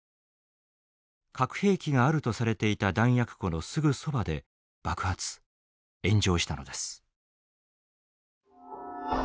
核兵器があるとされていた弾薬庫のすぐそばで爆発炎上したのです。